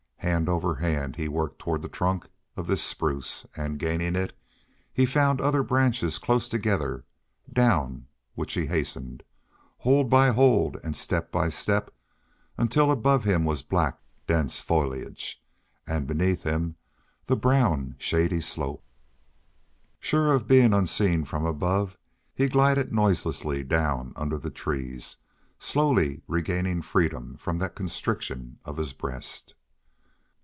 Hand over hand he worked toward the trunk of this spruce and, gaining it, he found other branches close together down which he hastened, hold by hold and step by step, until all above him was black, dense foliage, and beneath him the brown, shady slope. Sure of being unseen from above, he glided noiselessly down under the trees, slowly regaining freedom from that constriction of his breast.